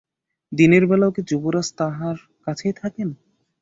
দিনের বেলাও কি যুবরাজ তাহার কাছেই থাকেন?